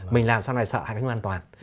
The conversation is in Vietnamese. mình làm sao lại sợ hay không an toàn